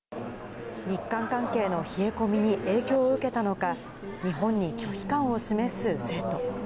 日韓関係の冷え込みに影響を受けたのか、日本に拒否感を示す生徒。